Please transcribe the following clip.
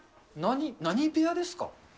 何部屋ですか？